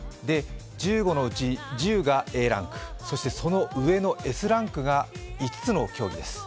１５のうち１０がＡランク、そしてその上のＳランクが５つの競技です。